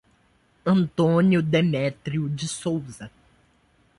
Antônio Demetrio de Souza